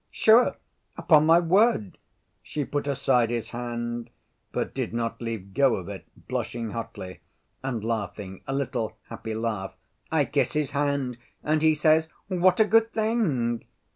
"Sure? Upon my word!" She put aside his hand, but did not leave go of it, blushing hotly, and laughing a little happy laugh. "I kiss his hand and he says, 'What a good thing!